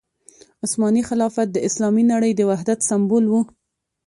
عثماني خلافت د اسلامي نړۍ د وحدت سمبول وو.